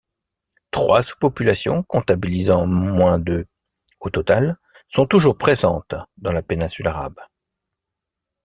Trois sous-populations comptabilisant moins de au total sont toujours présentes dans la péninsule arabe.